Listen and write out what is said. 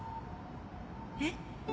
えっ？